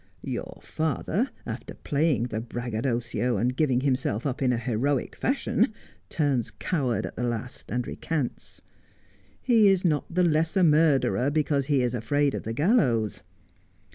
Your father, after playing the braggadocio, and giving himself up in a heroic fashion, turns coward at the last and recants. He is not the less a murderer because he is afraid of the gallows.